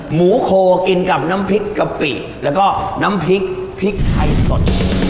หมูโคกินกับน้ำพริกกะปิแล้วก็น้ำพริกพริกไทยสด